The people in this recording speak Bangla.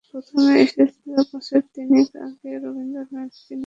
প্রথম এসেছিলাম বছর তিনেক আগে, রবীন্দ্রনাথকে নিয়ে আয়োজিত একটি অনুষ্ঠানে যোগ দিতে।